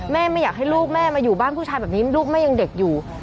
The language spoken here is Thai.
แม่ไม่อยากให้ลูกมาอยู่บ้านผู้หญิงแต่ยังเด็กอยู่